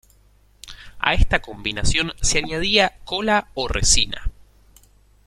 A esta combinación se añadía cola o resina.